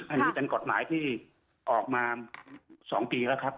อันนี้เป็นกฎหมายที่ออกมา๒ปีแล้วครับ